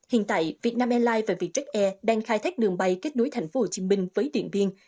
hiện tại vietnam airlines và vietjet air đang khai thác đường bay kết nối thành phố hồ chí minh với điện biên